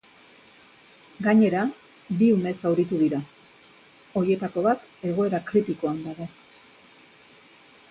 Gainera, bi ume zauritu dira, horietako bat egoera kritikoan dago.